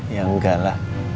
ya enggak lah